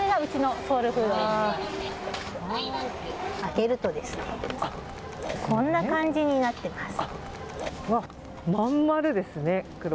開けると、こんな感じになってます。